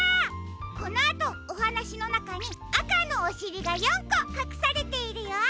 このあとおはなしのなかにあかのおしりが４こかくされているよ。